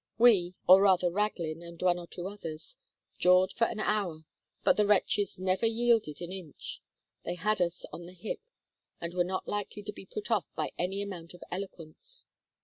We or rather Raglin and one or two others jawed for an hour; but the wretches never yielded an inch. They had us on the hip and were not likely to be put off by any amount of eloquence.